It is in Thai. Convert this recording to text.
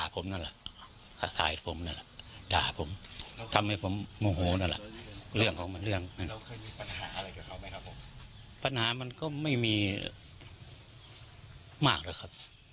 ปัญหามันก็ไม่มีมากหรอกครับ